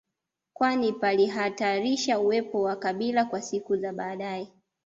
kwani palihatarisha uwepo wa kabila kwa siku za baadae